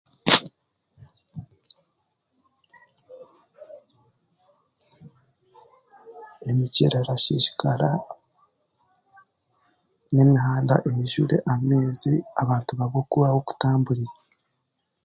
Emigyera erasiisikara n'emihanda eijure amaizi abantu babure ah'okutamburira